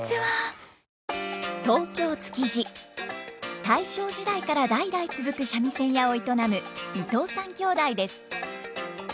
東京・築地大正時代から代々続く三味線屋を営む伊藤さん兄弟です。